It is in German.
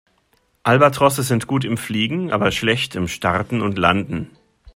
Albatrosse sind gut im Fliegen, aber schlecht im Starten und Landen.